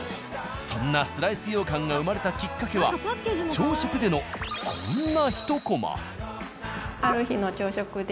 そんなスライスようかんが生まれたきっかけは朝食でのこんなひとコマ。